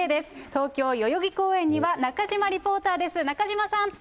東京・代々木公園には、中島リポーターです。